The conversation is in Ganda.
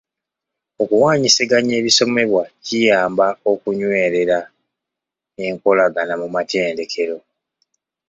Okuwaanyisiganya ebisomesebwa kiyamba okunywerera enkolagana mu matendekero.